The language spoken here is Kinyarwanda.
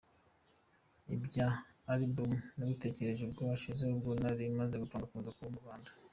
"Ibya Alibumu nabitekereje umwaka ushize ubwo nari maze gupanga kuza kuba mu Rwanda.